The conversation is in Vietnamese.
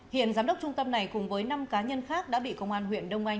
hiện giám đốc trung tâm này cùng với năm cá nhân khác đã bị công an huyện đông anh